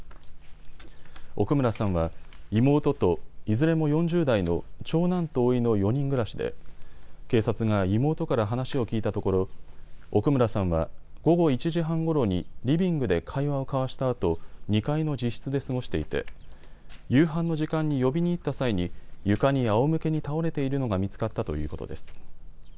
奥村さんは妹と、いずれも４０代の長男とおいの４人暮らしで警察が妹から話を聞いたところ奥村さんは午後１時半ごろにリビングで会話を交わしたあと２階の自室で過ごしていて夕飯の時間に呼びにいった際に床にあおむけに倒れているのが見つかったということです。